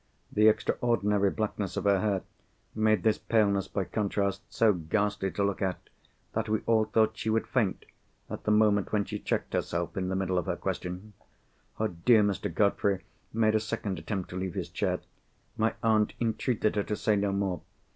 The extraordinary blackness of her hair made this paleness, by contrast, so ghastly to look at, that we all thought she would faint, at the moment when she checked herself in the middle of her question. Dear Mr. Godfrey made a second attempt to leave his chair. My aunt entreated her to say no more.